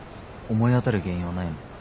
思い当たる原因はないの？